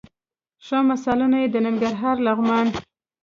ښه مثالونه یې د ننګرهار، لغمان،